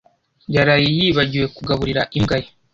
yaraye yibagiwe kugaburira imbwa ye.